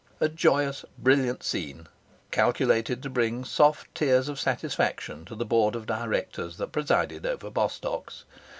A joyous, brilliant scene, calculated to bring soft tears of satisfaction to the board of directors that presided over Bostock's.